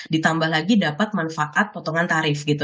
ditambah lagi dapat manfaat potongan tarif gitu